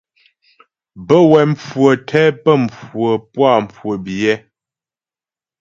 Bə́ wɛ mhwə̌ tɛ pɛ̌ mhwə̀ puá mhwə biyɛ.